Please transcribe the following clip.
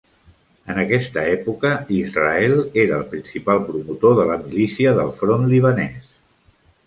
En aquesta època, Israel era el principal promotor de la milícia del Front Libanès.